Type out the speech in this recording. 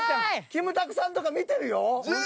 キムタクさんとか見てるよ。